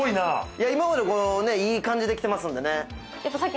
今までいい感じで来てますんでね。